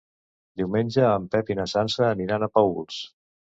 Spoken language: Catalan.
Diumenge en Pep i na Sança aniran a Paüls.